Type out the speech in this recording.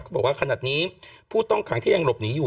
บอกว่าขนาดนี้ผู้ต้องขังที่ยังหลบหนีอยู่